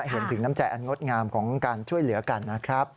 เห็นถึงน้ำใจอันงดงามของการช่วยเหลือกันนะครับ